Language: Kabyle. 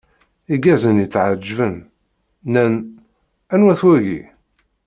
Irgazen-nni tɛeǧǧben, nnan: Anwa-t wagi?